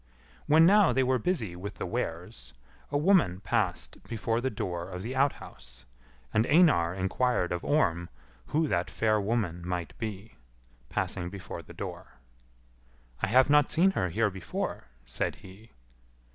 When now they were busy with the wares, a woman passed before the door of the outhouse; and Einar inquired of Orm who that fair woman might be, passing before the door. "I have not seen her here before," said he.